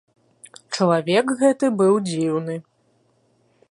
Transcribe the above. Чалавек гэты быў дзіўны.